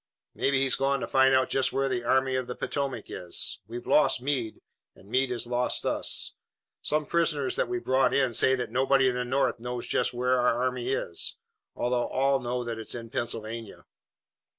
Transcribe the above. "Maybe he's gone to find out just where the Army of the Potomac is. We've lost Meade, and Meade has lost us. Some prisoners that we've brought in say that nobody in the North knows just where our army is, although all know that it's in Pennsylvania."